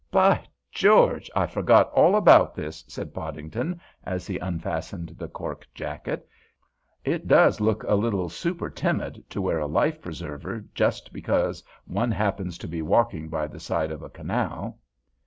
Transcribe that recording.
"By George! I forgot all about this," said Podington, as he unfastened the cork jacket. "It does look a little super timid to wear a life preserver just because one happens to be walking by the side of a canal."